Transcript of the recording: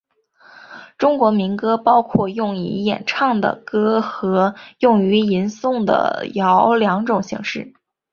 中国民歌包括用以演唱的歌和用于吟诵的谣两种形式。